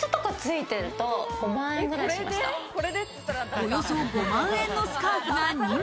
およそ５万円のスカーフが２枚。